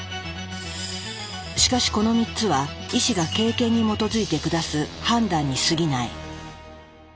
しかしこの３つは医師が経験に基づいて下す判断にすぎない。